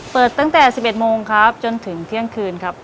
เปิดตั้งแต่๑๑โมงครับจนถึงเที่ยงคืนครับ